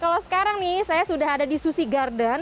kalau sekarang nih saya sudah ada di sushi garden